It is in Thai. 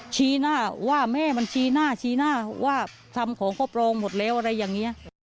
ชี้หน้าว่าแม่มันชี้หน้าชี้หน้าว่าทำของครอบรองหมดแล้วอะไรอย่างนี้